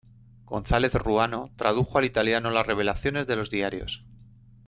González Ruano tradujo al italiano las revelaciones de los diarios.